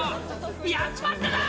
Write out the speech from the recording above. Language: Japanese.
やっちまったな！